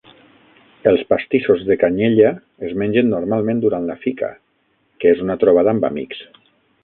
Els pastissos de canyella es mengen normalment durant la Fika, que és una trobada amb amics.